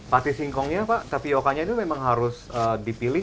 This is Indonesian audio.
pati singkongnya pak tapiocanya itu memang harus dipilih